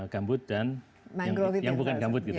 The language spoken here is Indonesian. gambut dan yang bukan gambut gitu